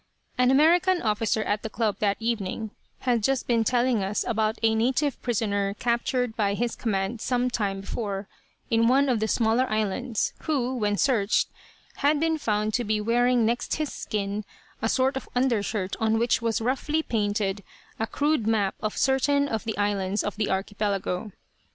An American officer at the club that evening had just been telling us about a native prisoner captured by his command sometime before in one of the smaller islands, who, when searched, had been found to be wearing next his skin a sort of undershirt on which was roughly painted a crude map of certain of the islands of the archipelago.